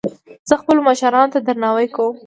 زه خپلو مشرانو ته درناوی کوم